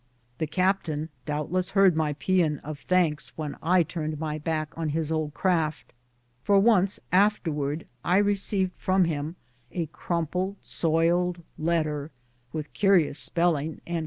The captain doubtless heard my poean of thanks when I turned my back on his old craft, for once afterwards I received from him a crumpled, soiled letter, witli curious spelling and 188 BOOTS AND SADDLES.